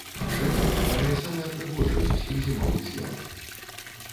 Шэрань, бадай, самая прыгожая з усіх зімовых з'яў.